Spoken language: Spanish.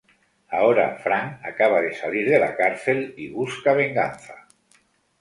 Ahora, Frank acaba de salir de la cárcel y busca venganza...